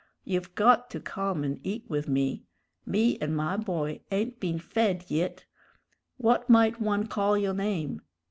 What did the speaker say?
You've got to come and eat with me. Me and my boy ain't been fed yit. What might one call yo' name?